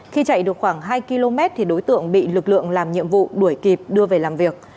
khi chạy được khoảng hai km thì đối tượng bị lực lượng làm nhiệm vụ đuổi kịp đưa về làm việc